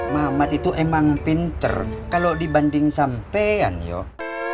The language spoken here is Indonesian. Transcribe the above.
mahamad itu emang pinter kalau dibanding sampean yuk